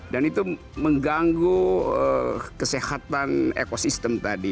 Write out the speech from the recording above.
dan itu mengganggu kesehatan ekosistem tadi